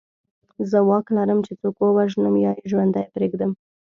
زه واک لرم چې څوک ووژنم یا یې ژوندی پرېږدم